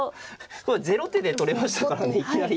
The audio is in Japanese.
これゼロ手で取れましたからねいきなり。